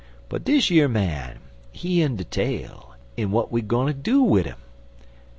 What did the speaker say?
But dish yer man, he in de tale, en w'at we gwine do wid 'im?